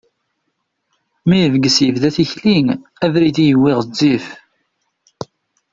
Mi yebges yebda tikli, abrid i yewwi ɣezzif.